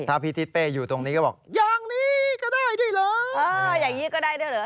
ถ้าพี่ทิศเป้อยู่ตรงนี้ก็บอกอย่างนี้ก็ได้ด้วยเหรอ